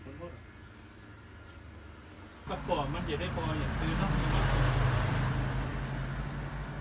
สวัสดีทุกคน